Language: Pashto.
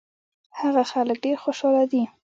هغه خلک ډېر خوشاله دي.